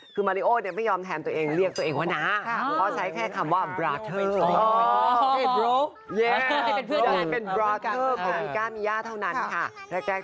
คือมัรีโอไม่ยอมแถมตัวเองเรียกตัวเองว่าหน้า